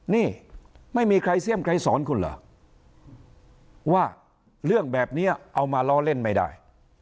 นี่ไม่มีใครเสี่ยมใครสอนคุณเหรอว่าเรื่องแบบนี้เอามาล้อเล่นไม่ได้